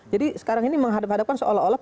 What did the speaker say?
jadi sekarang ini menghadap hadapkan seolah olah